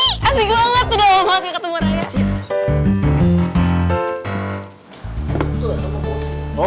ih asik banget udah lama banget gak ketemu raya